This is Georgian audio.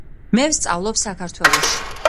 მე ვსწავლობ საქართველოში.